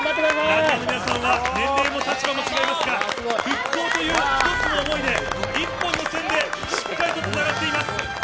ランナーの皆さんは、年齢も立場も違いますが、復興という一つの想いで、一本の線でしっかりとつながっています。